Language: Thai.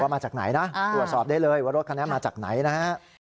ว่ามาจากไหนนะอุดสอบได้เลยว่ารถคณะมาจากไหนนะ